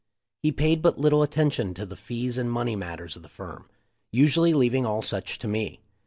He paid but little attention to the fees and money mat ters of the firm — usually leaving all such to me.